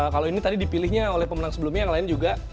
kalau ini tadi dipilihnya oleh pemenang sebelumnya yang lain juga